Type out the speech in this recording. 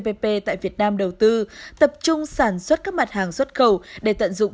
cptpp cũng sẽ giúp tăng sức hấp dẫn đầu tư tập trung sản xuất các mặt hàng xuất cầu để tận dụng